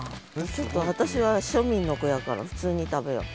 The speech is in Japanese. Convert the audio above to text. ちょっと私は庶民の子やから普通に食べよう。